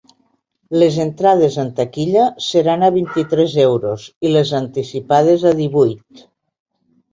Les entrades en taquilla seran a vint-i-tres euros, i les anticipades a divuit.